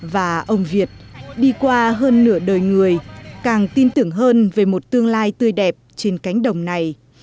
và ông việt đi qua hơn nửa đời người càng tin tưởng hơn về một tương lai tươi đẹp trên cánh đồng này